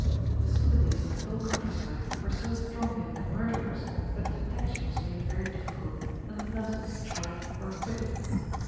The sympathies of the whole countryside were so strongly with the murderers that detection was made very difficult, and the persons charged were acquitted.